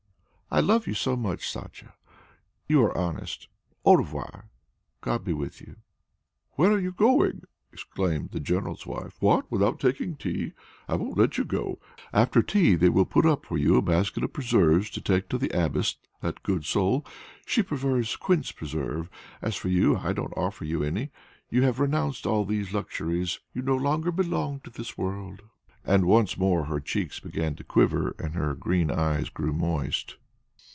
"I love you much, Sacha; you are honest. Au revoir. God be with you." "Where are you going?" exclaimed the general's wife. "What! Without taking tea. I won't let you go. After tea they will put up for you a basket of preserves to take to the abbess, that good soul. She prefers quince preserve. As for you, I don't offer you any; you have renounced all these luxuries; you no longer belong to this world!" And once more her cheeks began to quiver and her green eyes grew moist.